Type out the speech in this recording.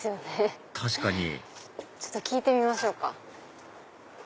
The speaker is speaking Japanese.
確かにちょっと聞いてみましょうか。